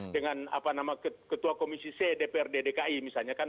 dengan apa nama ketua komisi cdprd dki misalnya kan